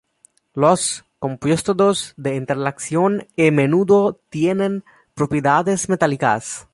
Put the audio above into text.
Los compuestos de intercalación a menudo tienen propiedades metálicas.